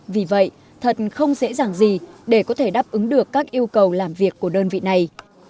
vì vậy thật không dễ dàng gì để có thể đáp ứng được các yêu cầu làm việc của đơn vị này